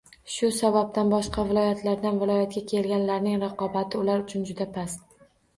Shu sababdan, boshqa viloyatlardan viloyatga kelganlarning raqobati ular uchun juda past